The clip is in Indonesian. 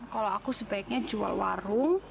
kalau aku sebaiknya jual warung